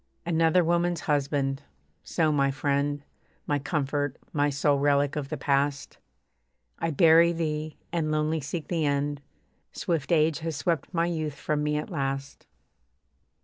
Another woman's husband. So, my friend, My comfort, my sole relic of the past, I bury thee, and, lonely, seek the end. Swift age has swept my youth from me at last.